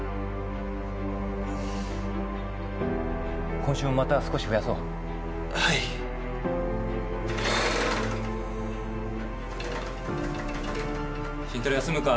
今週もまた少し増やそうはい筋トレ休むか？